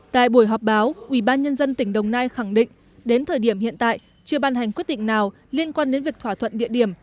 tại buổi họp báo ubnd tỉnh đồng nai khẳng định đến thời điểm hiện tại chưa ban hành quyết định nào liên quan đến việc thỏa thuận địa điểm